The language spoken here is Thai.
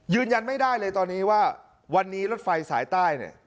ยืนยันไม่ได้เลยตอนนี้ว่าวันนี้รถไฟสายใต้เนี่ย